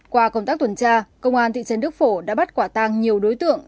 qua công tác tuần tra công an thị trấn đức phổ đã bắt quả tang nhiều đối tượng